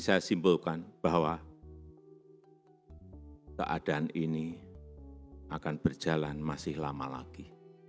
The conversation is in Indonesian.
saya simpulkan bahwa keadaan ini akan berjalan masih lama lagi